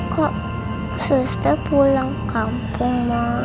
kok suster pulang kampung ya